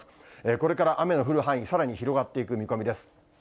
これから雨の降る範囲、さらに広がっていく見込みです。